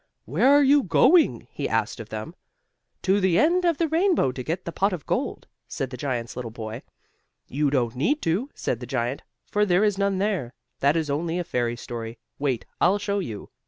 "Where are you going?" he asked of them. "To the end of the rainbow to get the pot of gold," said the giant's little boy. "You don't need to," said the giant, "for there is none there. That is only a fairy story. Wait, I'll show you."